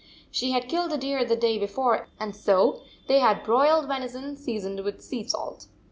She had killed a deer the day before, and so they had broiled venison, seasoned with sea salt.